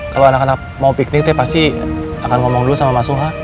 kalau anak anak mau piknik ya pasti akan ngomong dulu sama mas huha